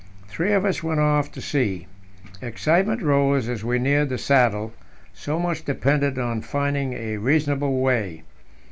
Three of us went off to see. Excitement rose as we neared the saddle; so much depended on finding a reasonable way.